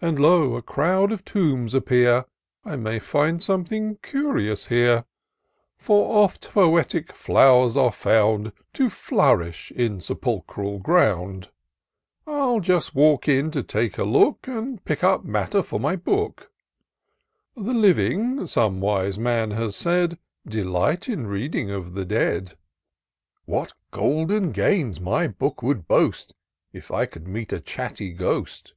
And, lo, a crowd of tombs appear ! I may find something curious here ; For oft poetic flowers are found To flourish in sepulchral ground, m just walk in to take a look, And pick up matter for my book: The living, some wise man has said. Delight in reading of the dead. What golden gains my book would boast, If I could meet a chatty ghost.